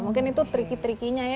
mungkin itu tricky trickinya ya